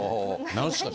・何ですか？